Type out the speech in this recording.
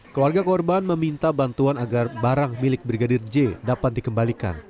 keluarga korban meminta bantuan agar barang milik brigadir j dapat dikembalikan